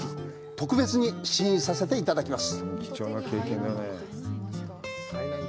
特別に試飲させていただきます。